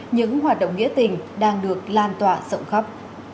những hoạt động nghĩa tình đang được lan tỏa rộng khắp